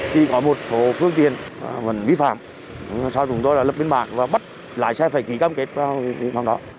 khi có một số phương tiện vẫn vi phạm sau chúng tôi đã lập biến bản và bắt lái xe phải ký cam kết vào vi phong đó